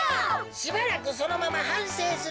しばらくそのままはんせいするのだ。